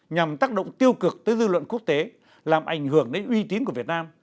nhằm tác động tiêu cực tới dư luận quốc tế làm ảnh hưởng đến uy tín của việt nam